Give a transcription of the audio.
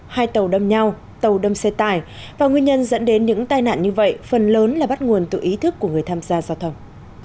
hai tàu đâm nhau tàu đâm xe tải và nguyên nhân dẫn đến những tai nạn như vậy phần lớn là bắt nguồn từ ý thức của người tham gia giao thông